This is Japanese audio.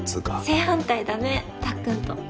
正反対だねたっくんと。